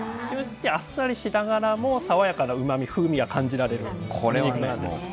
あっさりしながらも爽やかなうまみ風味が感じられる鶏肉なんです。